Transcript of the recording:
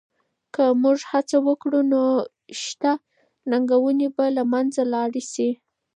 که موږ هڅه وکړو نو شته ننګونې به له منځه لاړې شي.